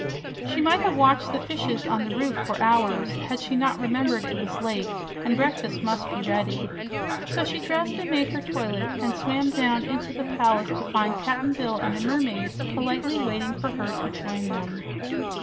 She might have watched the fishes on the roof for hours, had she not remembered it was late and breakfast must be ready. So she dressed and made her toilet, and swam down into the palace to find Cap'n Bill and the mermaids politely waiting for her to join them.